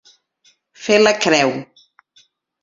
Fer la creu.